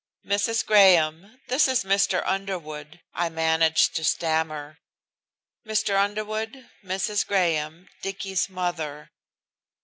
"Mrs. Graham, this is Mr. Underwood," I managed to stammer. "Mr. Underwood, Mrs. Graham, Dicky's mother."